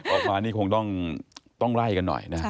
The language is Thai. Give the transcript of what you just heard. ออกมานี่คงต้องไล่กันหน่อยนะ